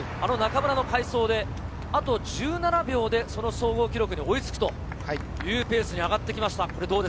中村の快走で、あと１７秒でその総合記録に追いつくというペースに上がってきました。